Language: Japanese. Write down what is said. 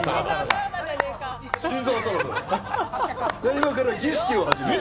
今から儀式を始める。